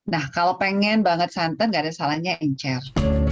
nah kalau pengen banget santan gak ada salahnya encer